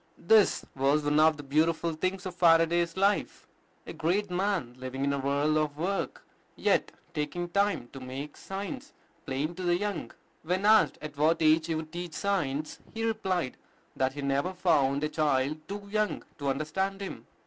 This was one of the beautiful things of Faraday's life, a great man living in a whirl of work, yet taking time to make science plain to the young. When asked at what age he would teach science, he replied that he had never found a child too young to understand him.